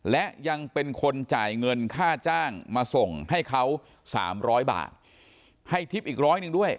และยังเป็นคนจ่ายเงินค่าจ้างมาส่งให้เขาสามร้อยบาทให้ทิพย์อีกร้อยหนึ่งด้วย